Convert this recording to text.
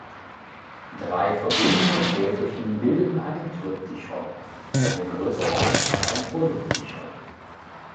Drei verbundene Täfelchen bildeten ein Triptychon, eine größere Anzahl ein Polyptychon.